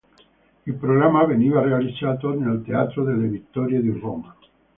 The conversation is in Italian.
Il programma veniva realizzato nel Teatro delle Vittorie di Roma.